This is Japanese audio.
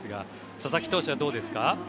佐々木投手はどうですか？